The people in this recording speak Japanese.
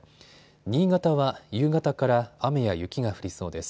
新潟は夕方から雨や雪が降りそうです。